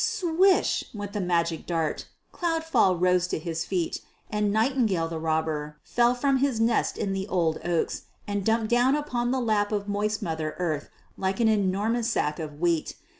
Swish! went the magic dart. Cloudfall rose to his feet, and Nightingale the Robber fell from his nest in the old oaks and dumped down upon the lap of moist Mother Earth like an enormous sack of wheat.